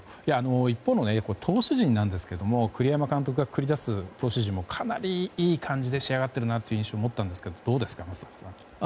一方の投手陣ですが栗山監督が繰り出す投手陣もかなりいい感じで仕上がっているという印象を持ったんですけどどうですか、松坂さん。